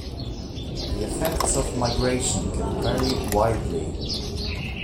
The effects of migration can vary widely.